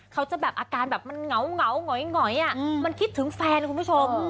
เขาจะแบบอาการแบบมันเหงาหงอยมันคิดถึงแฟนคุณผู้ชม